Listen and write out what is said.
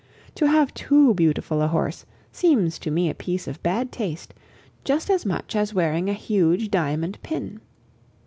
To have too beautiful a horse seems to me a piece of bad taste, just as much as wearing a huge diamond pin.